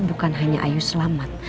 bukan hanya ayu selamat